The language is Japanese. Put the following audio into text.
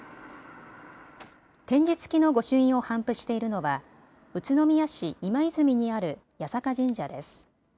点字付きの御朱印を頒布しているのは宇都宮市今泉にある八坂神社です。